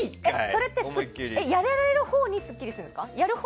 これはやられるほうがすっきりするんですか？